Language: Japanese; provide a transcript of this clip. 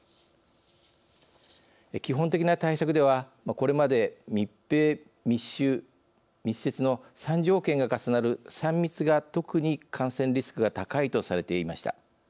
基本的な対策ではこれまで密閉密集密接の３条件が重なる３密が特に感染リスクが高いとされていました。